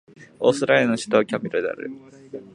オーストラリアの首都はキャンベラである